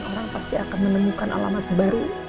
orang pasti akan menemukan alamat baru